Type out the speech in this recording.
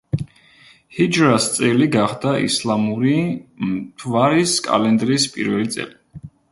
ჰიჯრას წელი გახდა ისლამური, მთვარის კალენდრის პირველი წელი.